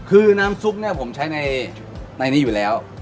คือน้ำซุปเนี่ยผมใช้ในนี้อยู่แล้ว